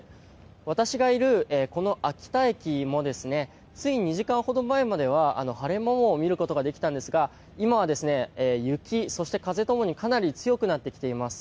私がいる秋田駅もつい２時間ほど前までは晴れ間を見ることができたんですが今は雪、そして風ともにかなり強くなってきています。